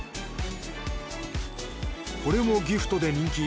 これもギフトで人気。